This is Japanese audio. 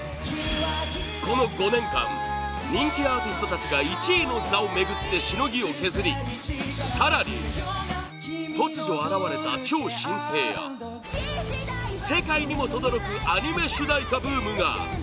この５年間人気アーティストたちが１位の座を巡ってしのぎを削り更に、突如現れた超新星や世界にもとどろくアニメ主題歌ブームが！